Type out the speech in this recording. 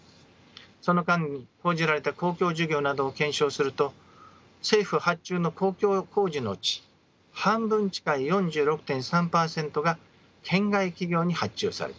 その間に投じられた公共事業などを検証すると政府発注の公共工事のうち半分近い４６．３％が県外企業に発注されています。